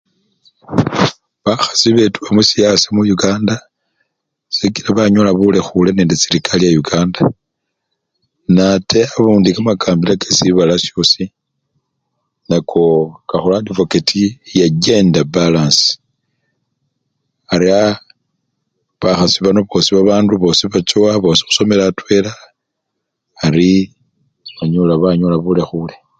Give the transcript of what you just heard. Bakhasi betuba musiyasa muyukanda sikila banyola bulekhule nende serekari yayukanda nate abundi kamakambila kesibala syosi nako kakhola adivoketi ya 'chender balance' ariaa bakhasi bano bosi bandu bachowa bosi khusomela atwela ari onyola banyola bulekhule.